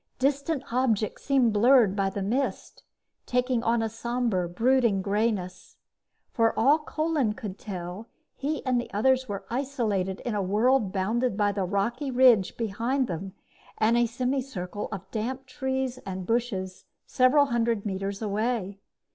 Distant objects seemed blurred by the mist, taking on a somber, brooding grayness. For all Kolin could tell, he and the others were isolated in a world bounded by the rocky ridge behind them and a semi circle of damp trees and bushes several hundred meters away.